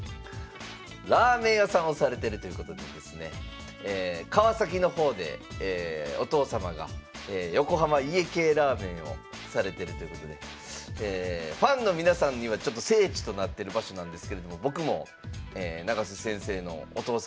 ラーメン屋さんをされてるということでですね川崎の方でお父様が横浜家系ラーメンをされてるということでファンの皆さんにはちょっと聖地となってる場所なんですけれども僕も永瀬先生のお父様の作ってるラーメンを食べたいと思って。